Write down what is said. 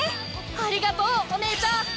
ありがとうお姉ちゃん！